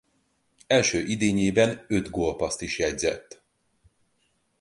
Első idényében öt gólpasszt is jegyzett.